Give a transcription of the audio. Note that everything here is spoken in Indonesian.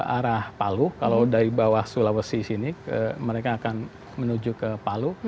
arah palu kalau dari bawah sulawesi sini mereka akan menuju ke palu